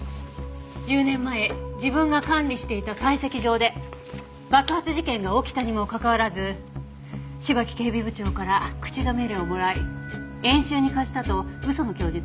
１０年前自分が管理していた採石場で爆発事件が起きたにもかかわらず芝木警備部長から口止め料をもらい演習に貸したと嘘の供述をした。